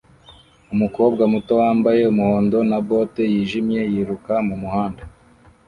Umukobwa muto wambaye umuhondo na bote yijimye yiruka mumuhanda